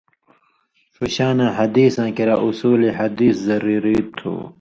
ݜُو شاناں حدیثاں کِریا اُصول حدیث ضروری تُھو،